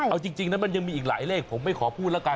เอาจริงนะมันยังมีอีกหลายเลขผมไม่ขอพูดแล้วกัน